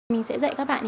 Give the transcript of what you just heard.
mình sẽ dạy các bạn